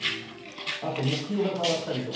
あと目標が変わったりとか。